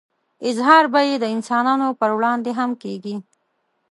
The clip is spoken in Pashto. اظهار به يې د انسانانو په وړاندې هم کېږي.